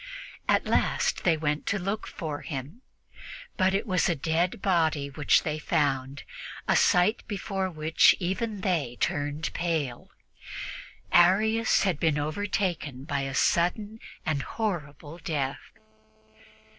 At last they went to look for him. It was but a dead body which they found, a sight before which even they turned pale. Arius had been overtaken by a sudden and horrible death.